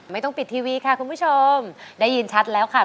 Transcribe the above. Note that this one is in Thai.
ไม่ต้องปิดทีวีค่ะคุณผู้ชมได้ยินชัดแล้วค่ะ